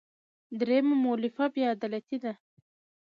درېیمه مولفه بې عدالتي ده.